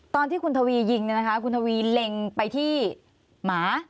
ตอนที่คุณทวียิงเนี่ยนะคะคุณทวีเล็งไปที่หมา